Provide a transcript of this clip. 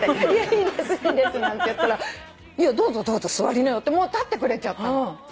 いいですいいですなんていやどうぞどうぞ座りなよってもう立ってくれちゃったの。